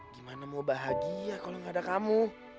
gimana mau bahagia kalo nggak ada kamu